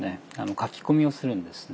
書き込みをするんですね。